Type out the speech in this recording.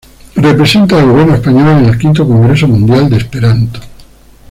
Representa al gobierno español en el quinto Congreso Mundial de Esperanto.